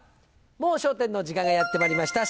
『もう笑点』の時間がやってまいりました。